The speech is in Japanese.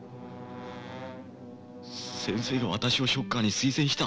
先生が私をショッカーに推薦した。